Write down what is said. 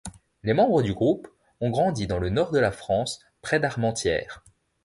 Les membres du groupe ont grandi dans le nord de la France, près d'Armentières.